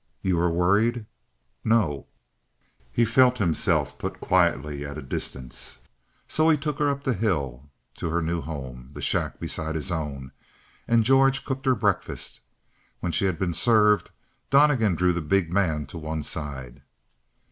"You were worried?" "No." He felt himself put quietly at a distance. So he took her up the hill to her new home the shack beside his own; and George cooked her breakfast. When she had been served, Donnegan drew the big man to one side.